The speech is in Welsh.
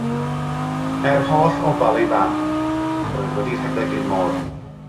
Er holl ofal ei fam, yr oedd wedi rhedeg i'r môr.